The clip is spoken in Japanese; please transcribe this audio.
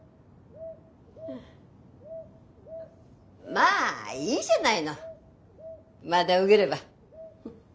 まあいいじゃないのまだ受げれば。